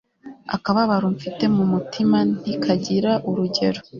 akababaro mfite mu mutima ntikagira urugero